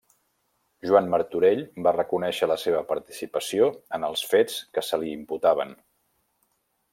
Joan Martorell va reconèixer la seva participació en els fets que se li imputaven.